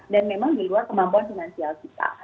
dan memang di luar kemampuan finansial kita